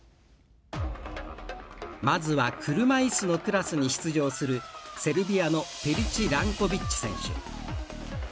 まずは車いすのクラスに出場するセルビアのペリチランコビッチ選手。